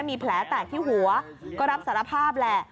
มีแผลแตกที่หัวก็รับสารภาพแหละ